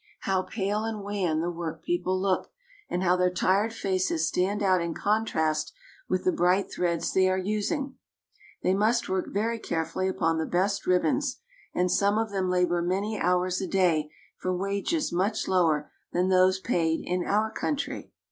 How pale and wan the workpeople look, and how their tired faces stand out in contrast with the bright threads they are using. They must work very carefully upon the best ribbons, and some of them labor many hours a day for wages much lower than those paid in our country.